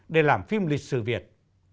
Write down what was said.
để làm phim lịch sử việt